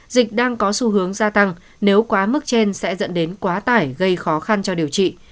dịch đang có xu hướng gia tăng nếu quá mức trên sẽ dẫn đến quá tải gây khó khăn cho điều trị